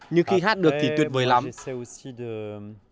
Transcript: nhưng khi hát được thì tuyệt vời lắm